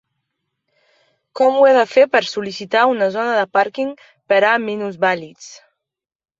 Com ho he de fer per sol·licitar una zona de parking per a minusvàlids?